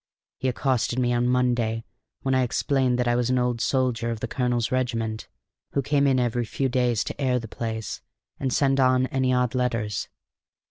"He accosted me on Monday, when I explained that I was an old soldier of the colonel's regiment, who came in every few days to air the place and send on any odd letters.